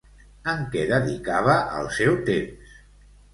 En què dedicava el seu temps?